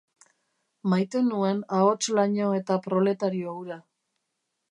Maite nuen ahots laino eta proletario hura.